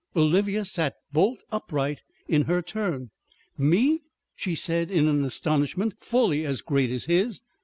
Olivia sat bolt upright in her turn. "Me?" she said in an astonishment fully as great as his.